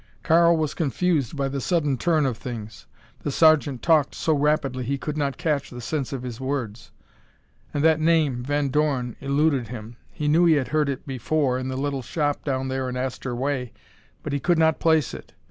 Karl was confused by the sudden turn of things. The sergeant talked so rapidly he could not catch the sense of his words. And that name, Van Dorn, eluded him. He knew he had heard it before, in the little shop down there in Astor Way. But he could not place it.